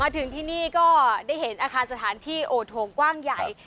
ถึงที่นี่ก็ได้เห็นอาคารสถานที่โอดโถงกว้างใหญ่